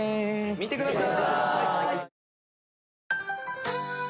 見てください！